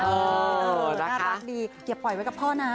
น่ารักดีอย่าปล่อยไว้กับพ่อนะ